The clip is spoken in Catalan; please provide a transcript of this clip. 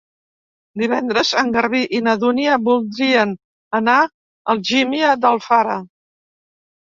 Divendres en Garbí i na Dúnia voldrien anar a Algímia d'Alfara.